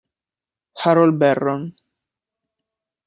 Harold Barron